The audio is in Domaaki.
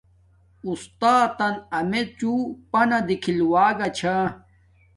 اُستاتن امیچوں پانا دیکھل وگا چھا